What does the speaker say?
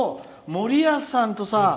森保さんとさ